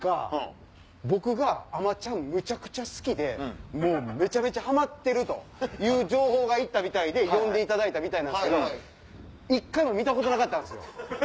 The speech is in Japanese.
僕が『あまちゃん』むちゃくちゃ好きでめちゃめちゃハマってる！という情報が行ったみたいで呼んでいただいたんですけど一回も見たことなかったんすよ。